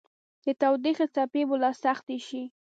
د تودوخې څپې به لا سختې شي